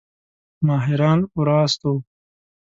ماهران ورواستوو.